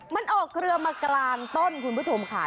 มันออกเครือมากลางต้นคุณผู้ชมค่ะ